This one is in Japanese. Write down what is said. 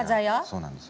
そうなんです。